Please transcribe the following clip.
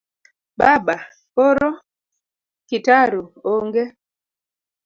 Baba:koro? Kitaru: ong'e